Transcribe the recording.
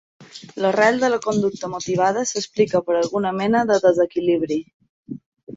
L'arrel de la conducta motivada s'explica per alguna mena de desequilibri.